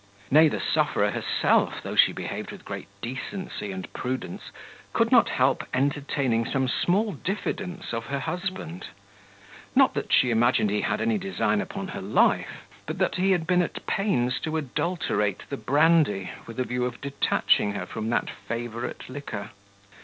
Nay, the sufferer herself, though she behaved with great decency and prudence, could not help entertaining some small diffidence of her husband; not that she imagined he had any design upon her life, but that he had been at pains to adulterate the brandy with a view of detaching her from that favourite liquor.